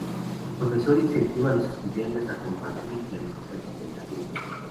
El profesor incentiva a los estudiantes a compartir y clarificar sus pensamientos.